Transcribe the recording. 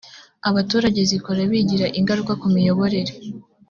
abaturage zikora bigira ingaruka ku miyoborere